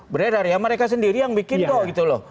beredar ya mereka sendiri yang bikin kok gitu loh